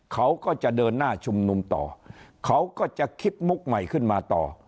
เขาก็จะเดินหน้าชุมนุมต่อเขาก็จะคิดมุกใหม่ขึ้นมาต่อ